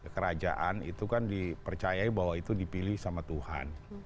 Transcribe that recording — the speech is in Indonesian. kerajaan itu kan dipercayai bahwa itu dipilih sama tuhan